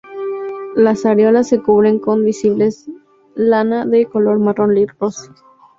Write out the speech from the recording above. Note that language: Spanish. Las areolas se cubren con visible lana de color marrón rojizo.